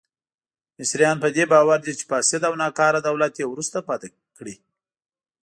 مصریان په دې باور دي چې فاسد او ناکاره دولت یې وروسته پاتې کړي.